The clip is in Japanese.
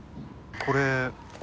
これ。